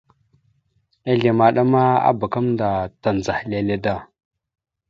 Ezle maɗa ma abak gamẹnda tandzəha lele da.